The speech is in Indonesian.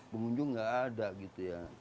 pengunjung nggak ada gitu ya